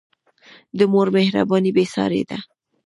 د مور مهرباني بېساری ده.